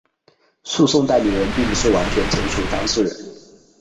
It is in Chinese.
诉讼代理人并不是完全从属于当事人。